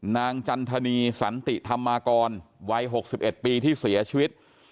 จันทนีสันติธรรมากรวัย๖๑ปีที่เสียชีวิต